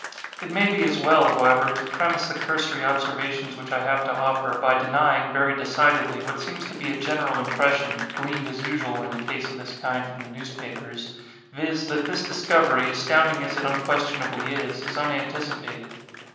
It may be as well, however, to premise the cursory observations which I have to offer, by denying, very decidedly, what seems to be a general impression (gleaned, as usual in a case of this kind, from the newspapers), viz.: that this discovery, astounding as it unquestionably is, is unanticipated.